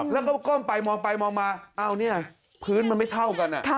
แล้วก็ก้มไปมองไปมองมาเอาเนี่ยพื้นมันไม่เท่ากัน